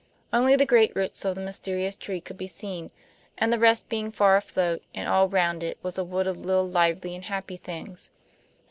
Only the great roots of the mysterious trees could be seen, the rest being far aloft, and all round it was a wood of little, lively and happy things.